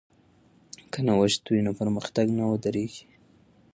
که نوښت وي نو پرمختګ نه ودریږي.